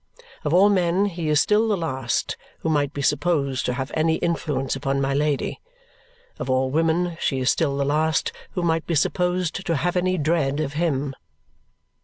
Of all men he is still the last who might be supposed to have any influence upon my Lady. Of all women she is still the last who might be supposed to have any dread of him.